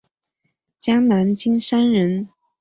江南金山人。